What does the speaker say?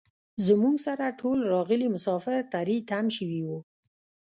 زموږ سره ټول راغلي مسافر تري تم شوي وو.